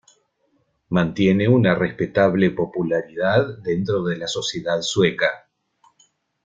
Mantiene una respetable popularidad dentro de la sociedad sueca.